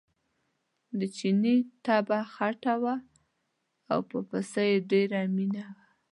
د چیني طبعه خټه وه او په پسه یې ډېره مینه وه.